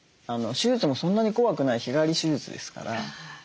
手術もそんなに怖くない日帰り手術ですから。